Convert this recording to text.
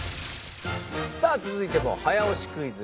さあ続いても早押しクイズです。